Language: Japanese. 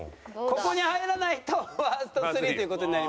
ここに入らないとワースト３という事になります。